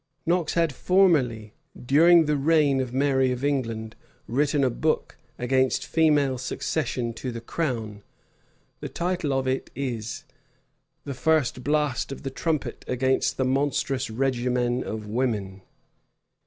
[] Knox had formerly, during the reign of Mary of England, written a book against female succession to the crown: the title of it is, "The first blast of the trumpet against the monstrous regimen of women."